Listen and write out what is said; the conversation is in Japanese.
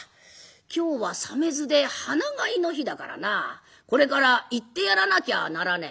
今日は鮫洲で花会の日だからなこれから行ってやらなきゃあならねえ。